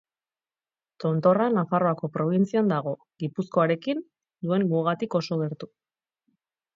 Tontorra Nafarroako probintzian dago, Gipuzkoarekin duen mugatik oso gertu.